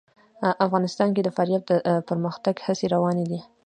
افغانستان کې د فاریاب د پرمختګ هڅې روانې دي.